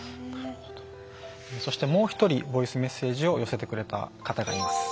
そしてもう１人ボイスメッセージを寄せてくれた方がいます。